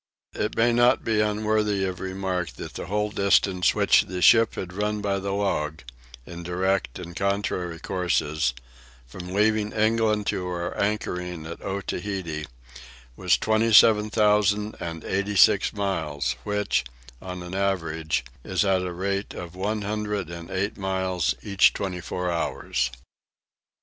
It may not be unworthy of remark that the whole distance which the ship had run by the log, in direct and contrary courses, from leaving England to our anchoring at Otaheite, was twenty seven thousand and eighty six miles which, on an average, is at the rate of a hundred and eight miles each twenty four hours.